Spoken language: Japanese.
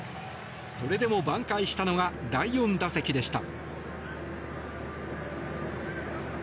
それでもばん回したのが第４打席でした。